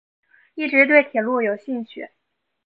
一直对铁路有兴趣。